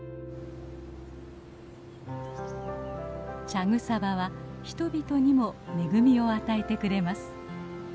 茶草場は人々にも恵みを与えてくれます。